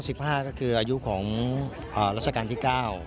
และ๙๕ก็คืออายุของรัฐกาลที่๙